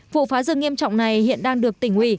vụ phá rừng nghiêm trọng này hiện đang được tỉnh ủy